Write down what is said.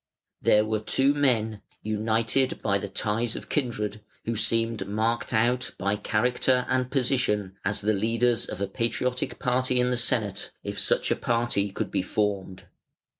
[Footnote 128: See p. 155.] There were two men, united by the ties of kindred, who seemed marked out by character and position as the leaders of a patriotic party in the Senate, if such a party could be formed.